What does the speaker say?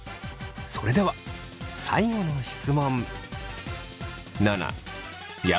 それでは最後の質問。